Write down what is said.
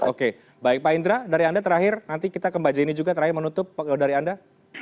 oke baik pak indra dari anda terakhir nanti kita ke mbak jenny juga terakhir menutup dari anda